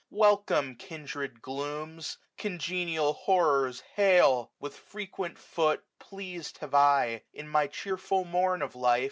Welcome, kindred glooms! 5 Congenial horrors^ hail! with frequent foot, Elea»'d.bave I, in my.cheerful mom of life.